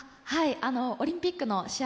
オリンピックの試合